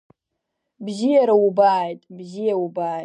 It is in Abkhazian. Бзиара убааит, бзиа убааит…